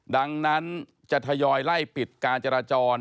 ดังนั้นจะทยอยไล่ปิดการจราจร